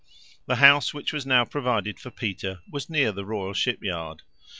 The house which was now provided for Peter was near the royal ship yard.